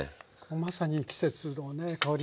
まさに季節のね香り。